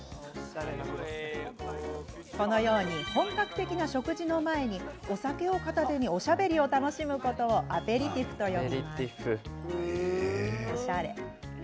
このように本格的な食事の前にお酒を片手におしゃべりを楽しむことをアペリティフと呼ぶんです。